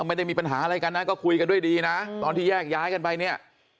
ไม่ได้มีปัญหาอะไรกันนะก็คุยกันด้วยดีนะตอนที่แยกย้ายกันไปเนี่ย